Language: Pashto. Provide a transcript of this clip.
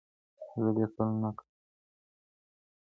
زه ليکل نه کوم.